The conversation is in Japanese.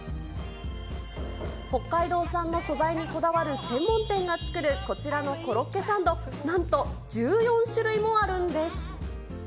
北海道産の素材にこだわる専門店が作るこちらのコロッケサンド、なんと１４種類もあるんです。